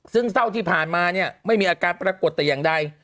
ซึ่งเศร้าที่ผ่านมาเนี่ยไม่มีอาการปรากฏแต่อย่างใด